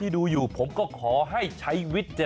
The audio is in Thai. ดี